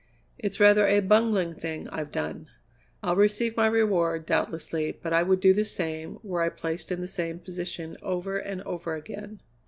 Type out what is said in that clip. It's rather a bungling thing I've done. I'll receive my reward, doubtlessly, but I would do the same, were I placed in the same position, over and over again.